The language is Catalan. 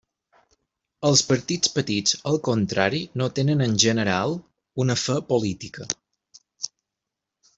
Els partits petits, al contrari, no tenen en general una fe política.